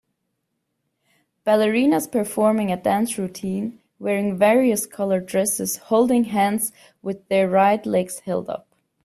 Ballerinas performing a dance routine wearing various colored dresses holding hands with there right legs held up.